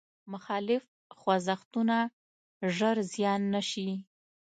مخالف خوځښتونه ژر زیان نه شي.